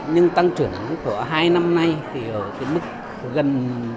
nhưng tăng trưởng của hai năm nay ở mức gần bốn